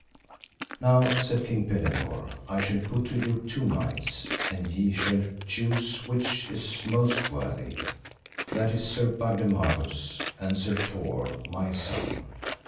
Now, said King Pellinore, I shall put to you two knights, and ye shall choose which is most worthy, that is Sir Bagdemagus, and Sir Tor, my son.